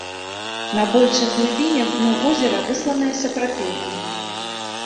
На большых глыбінях дно возера высланае сапрапелем.